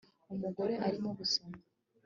umugore arimo gusoma